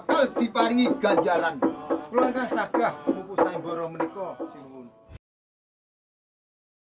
hendraon setiawan yogyakarta